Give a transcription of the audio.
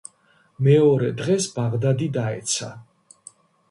მეორე დღეს ბაღდადი დაეცა.